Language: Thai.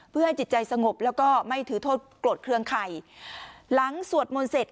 เพื่อให้จิตใจสงบแล้วก็ไม่ถือโทษโกรธเครื่องใครหลังสวดมนต์เสร็จ